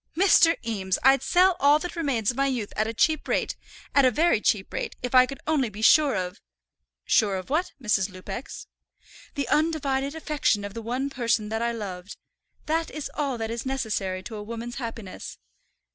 "Mr. Eames, I'd sell all that remains of my youth at a cheap rate, at a very cheap rate, if I could only be sure of " "Sure of what, Mrs. Lupex?" "The undivided affection of the one person that I loved. That is all that is necessary to a woman's happiness."